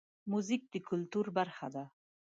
موزیک د کلتور برخه ده.